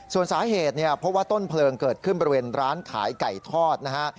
ส่วนสาเหตุเนี่ยเพราะว่าต้นเพลิงเกิดขึ้นบริเวณร้านขายไก่ทอดนะฮะ